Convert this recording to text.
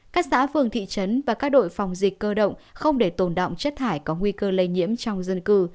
các xã phường thị trấn và các đội phòng dịch cơ động không để tồn động chất thải có nguy cơ lây nhiễm trong dân cư